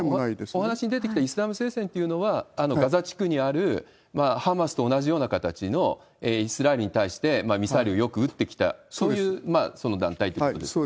今お話しに出てきたイスラム聖戦というのは、ガザ地区にある、ハマスと同じような形のイスラエルに対してミサイルをよく撃ってきた、そういう団体ということですね。